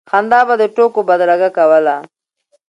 خندا به د ټوکو بدرګه کوله.